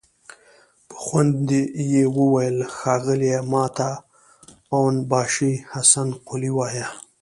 په خوند يې وويل: ښاغليه! ماته اون باشي حسن قلي وايه!